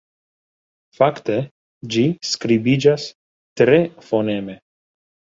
Fakte ĝi skribiĝas tre foneme.